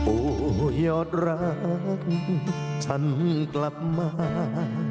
โอ้โหยอดรักฉันกลับมา